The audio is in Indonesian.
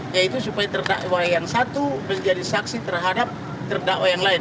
yaitu supaya terdakwa yang satu menjadi saksi terhadap terdakwa yang lain